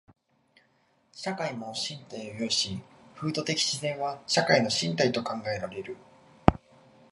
社会も身体を有し、風土的自然は社会の身体と考えられる。